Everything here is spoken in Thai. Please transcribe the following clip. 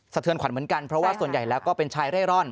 เทือนขวัญเหมือนกันเพราะว่าส่วนใหญ่แล้วก็เป็นชายเร่ร่อน